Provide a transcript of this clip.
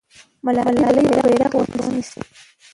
ملالۍ به بیرغ ورته ونیسي.